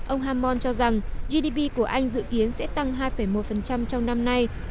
ông hammon cho rằng gdp của anh dự kiến sẽ tăng hai một trong năm nay